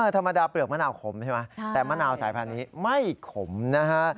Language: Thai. ธรรมดาเปลือกมะนาวขมใช่ไหมแต่มะนาวสายพันธุ์นี้ไม่ขมนะฮะ